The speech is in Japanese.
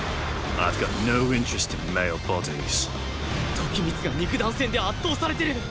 時光が肉弾戦で圧倒されてる！？